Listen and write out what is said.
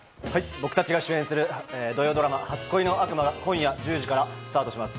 僕たちが主演する土曜ドラマ『初恋の悪魔』が今夜１０時からスタートします。